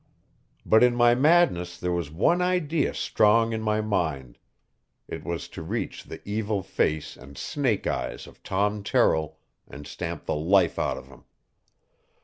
But in my madness there was one idea strong in my mind. It was to reach the evil face and snake eyes of Tom Terrill, and stamp the life out of him.